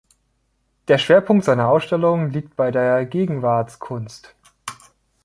Der Schwerpunkt seiner Ausstellungen liegt bei der Gegenwartskunst.